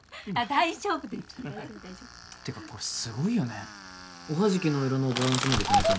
大丈夫です大丈夫大丈夫てかこれすごいよねおはじきの色のバランスまで決めてるの？